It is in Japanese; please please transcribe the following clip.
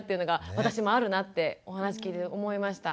私もあるなってお話聞いてて思いました。